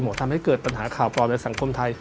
ทำให้เกิดปัญหาข่าวปลอมในสังคมไทย